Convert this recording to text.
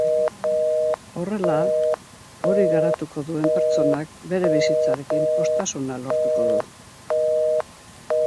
Horrela, hori garatuko duen pertsonak bere bizitzarekin poztasuna lortuko du.